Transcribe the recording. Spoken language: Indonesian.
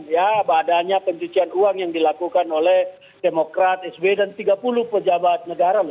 ya badannya pencucian uang yang dilakukan oleh demokrat sb dan tiga puluh pejabat negara